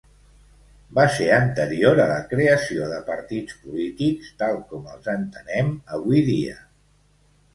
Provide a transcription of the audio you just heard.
Va ser anterior a la creació de partits polítics tal com els entenem avui dia.